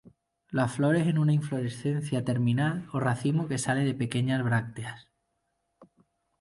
Las flores en una inflorescencia terminal o racimo que sale de pequeñas brácteas.